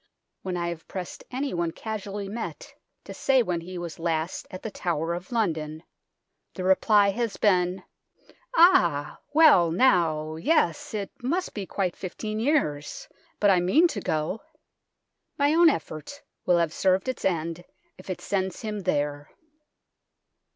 When I have pressed anyone casually met to say when he was last at the Tower of London, the reply has been :" Ah ! well now yes, it must be quite fifteen years ; but I mean to go." My own effort will have served its end if it sends him there.